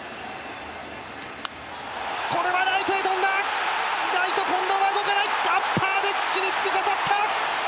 これはライトへ飛んだ、ライト・近藤は動かないアッパーデッキに突き刺さった！